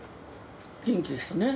元気ですよね。